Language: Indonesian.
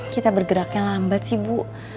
kita bergeraknya lambat sih bu